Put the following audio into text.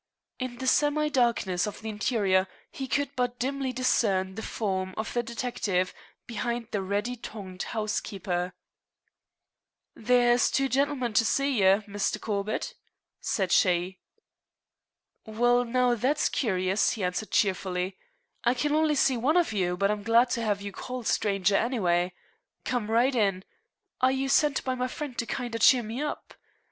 In the semi darkness of the interior he could but dimly discern the form of the detective behind the ready tongued housekeeper. "There's two gintlemen to see ye, Misther Corbett," said she. "Well, now, that's curious," he answered cheerfully. "I can only see one of you, but I'm glad to have you call, stranger, anyway. Come right in. Are you sent by my friend to kinder cheer me up?